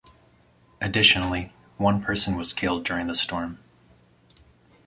Additionally, one person was killed during the storm.